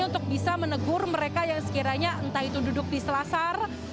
untuk bisa menegur mereka yang sekiranya entah itu duduk di selasar